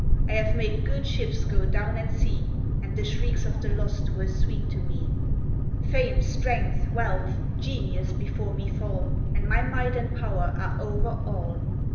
I have made good ships go down at sea, And the shrieks of the lost were sweet to me. Fame, strength, wealth, genius, before me fall, And my might and power are over all.